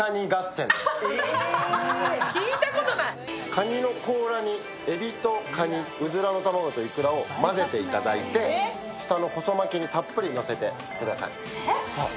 カニの甲羅にエビとカニ、うずらの卵といくらを混ぜていただいて下の細巻きにたっぷりのせてください。